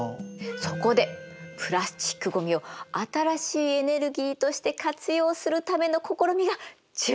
そこでプラスチックごみを新しいエネルギーとして活用するための試みが注目されてるの。